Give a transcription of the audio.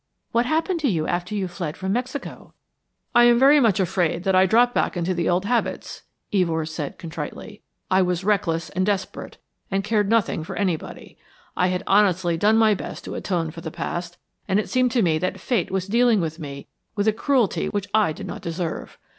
What happened to you after you fled from Mexico?" "I am very much afraid that I dropped back into the old habits," Evors said, contritely. "I was reckless and desperate, and cared nothing for anybody. I had honestly done my best to atone for the past, and it seemed to me that Fate was dealing with me with a cruelty which I did not deserve.